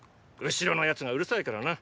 後ろの奴がうるさいからな。